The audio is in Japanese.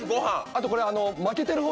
あとこれ。